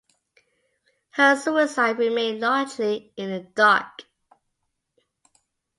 Her suicide remained largely in the dark.